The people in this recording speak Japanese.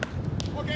・ＯＫ！